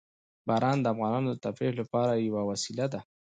باران د افغانانو د تفریح لپاره یوه وسیله ده.